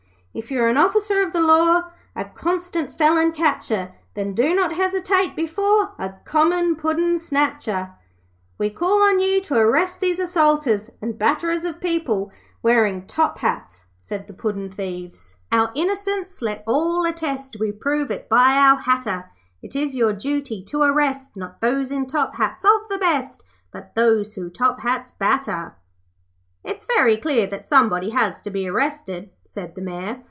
'If you're an officer of the Law, A constant felon catcher, Then do not hesitate before A common puddin' snatcher.' 'We call on you to arrest these assaulters and batterers of people wearing top hats,' said the puddin' thieves; 'Our innocence let all attest, We prove it by our hatter; It is your duty to arrest Not those in top hats of the best But those who top hats batter.' 'It's very clear that somebody has to be arrested,' said the Mayor.